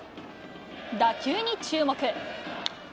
打球に注目。